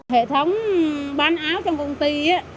hệ thống bán áo trong công ty